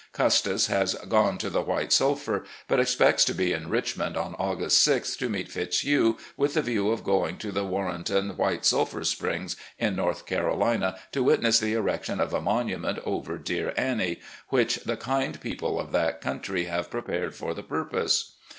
Custis has gone to the White Sulphur, but expects to be in Richmond on Aug^ust 6th to meet Fitzhugh, with the view of going to the Warrenton White Sulphur Springs in North Carolina, to witness the 242 RECOLLECTIONS OF GENERAL LEE erection of a monument over dear Annie, which the kind people of that country have prepared for the purpose.